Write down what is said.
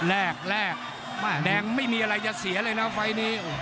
แรกแรกแดงไม่มีอะไรจะเสียเลยนะไฟล์นี้